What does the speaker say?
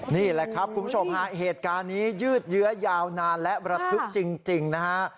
นี่แหละครับคุณผู้ชมฮะเหตุการณ์นี้ยืดเยื้อยาวนานและระทึกจริงนะฮะ